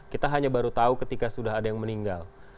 kita hanya baru tahu ketika sudah ada yang meninggal